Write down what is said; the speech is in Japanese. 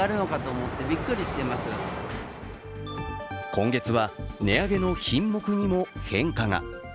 今月は値上げの品目にも変化が。